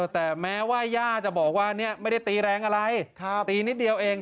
แต่แม้ว่าย่าจะบอกว่าไม่ได้ตีแรงอะไรตีนิดเดียวเอง